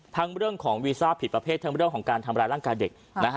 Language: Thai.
เรื่องของวีซ่าผิดประเภททั้งเรื่องของการทำร้ายร่างกายเด็ก